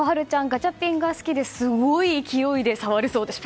ガチャピンが好きですごい勢いで触るそうです。